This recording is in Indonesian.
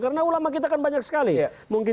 karena ulama kita kan banyak sekali